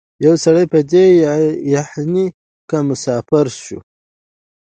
یو سړی په دې یخنۍ کي مسافر سو